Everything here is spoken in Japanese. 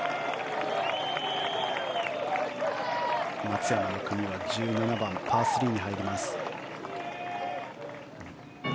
松山の組は１７番、パー３に入ります。